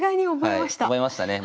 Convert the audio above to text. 覚えましたね。